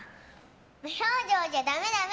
無表情じゃダメダメ。